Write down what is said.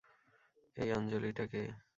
এই আঞ্জলিটা কে?